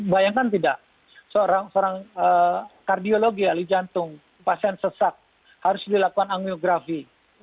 bayangkan tidak seorang kardiologi ahli jantung pasien sesak harus dilakukan anggiografi